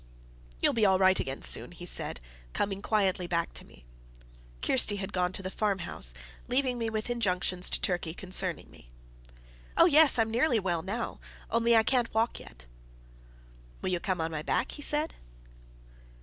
"You'll be all right again soon," he said, coming quietly back to me. Kirsty had gone to the farmhouse, leaving me with injunctions to Turkey concerning me. "Oh yes, I'm nearly well now; only I can't walk yet." "Will you come on my back?" he said.